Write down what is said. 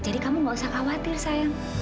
jadi kamu gak usah khawatir sayang